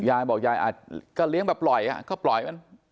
ยายบอกยายอาจก็เลี้ยงแบบปล่อยก็ปล่อยมัน